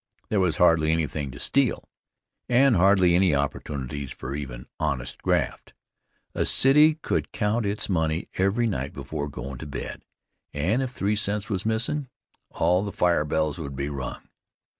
There was hardly anything to steal, and hardly any opportunities for even honest graft. A city could count its money every night before goin' to bed, and if three cents was missin', all the fire bells would be rung.